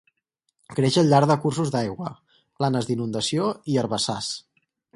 Creix al llarg de cursos d'aigua, planes d'inundació i herbassars.